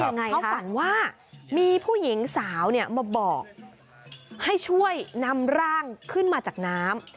เขาฝันว่ามีผู้หญิงสาวเนี่ยมาบอกให้ช่วยนำร่างขึ้นมาจากน้ำ